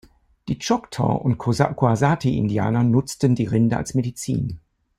Die Choctaw- und Koasati-Indianer nutzten die Rinde als Medizin.